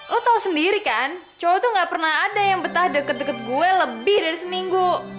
lo tahu sendiri kan cowok tuh gak pernah ada yang betah deket deket gue lebih dari seminggu